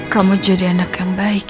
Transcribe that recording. kamu jadi anak yang baik